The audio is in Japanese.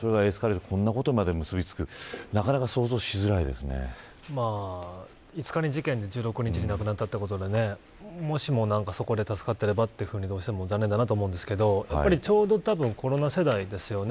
それがこの事にまで結びつくこと５日に事件で１６日に亡くなったということでもしもそこで助かっていればとどうしても残念だなと思うんですけれどちょうどコロナ世代ですよね。